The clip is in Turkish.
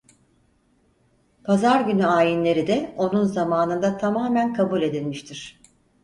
Pazar günü ayinleri de onun zamanında tamamen kabul edilmiştir.